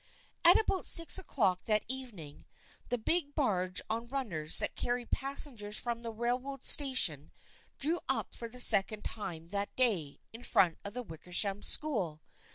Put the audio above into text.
At about six o'clock that evening the big barge on runners that carried passengers from the rail road station drew up for the second time that day in front of the Wickersham School.